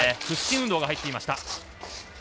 屈伸運動が入っていました。